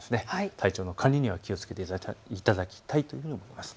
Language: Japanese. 体調の管理にはお気をつけいただきたいというふうに思います。